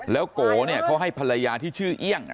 แล้วโกเนี่ยเขาให้ภรรยาที่ชื่อเอี่ยง